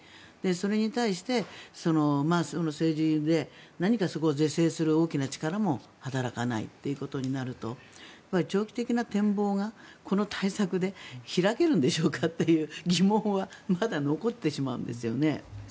それに対して政治で何かそこを是正する大きな力も働かないということになると長期的な展望がこの対策で開けるんでしょうかという疑問はまだ残ってしまうんですよね。